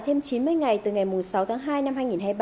thêm chín mươi ngày từ ngày sáu tháng hai năm hai nghìn hai mươi ba